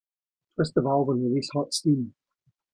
Twist the valve and release hot steam.